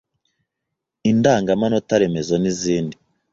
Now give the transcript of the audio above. indangamanota remezo n’izindi